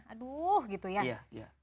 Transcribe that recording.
aduh gitu ya